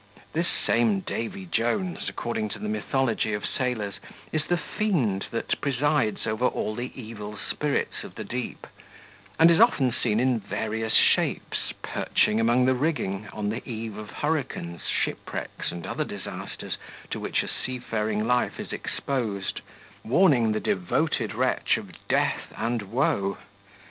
This same Davy Jones, according to the mythology of sailors, is the fiend that presides over all the evil spirits of the deep, and is often seen in various shapes, perching among the rigging on the eve of hurricanes, shipwrecks, and other disasters, to which a seafaring life is exposed; warning the devoted wretch of death and woe.